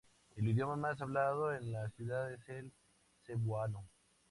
El idioma más hablado en la ciudad es el cebuano.